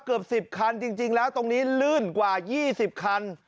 เกือบสิบคันจริงจริงแล้วตรงนี้ลื่นกว่ายี่สิบคัน